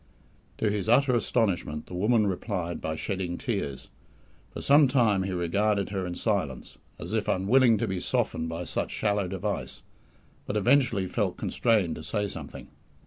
To his utter astonishment the woman replied by shedding tears. For some time he regarded her in silence, as if unwilling to be softened by such shallow device, but eventually felt constrained to say something.